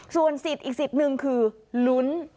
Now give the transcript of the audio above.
ส่วนสิทธิ์อีกสิทธิ์หนึ่งคือลุ้น